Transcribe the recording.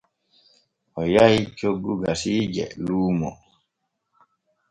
O yahi coggu gasiije luumo.